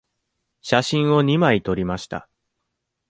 写真を二枚撮りました。